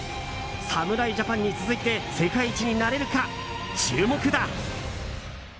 侍ジャパンに続いて世界一になれるか、注目だ。